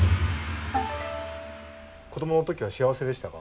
子どもの時は幸せでしたか？